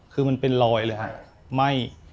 คือมันเป็นรอยเลยครับไหม้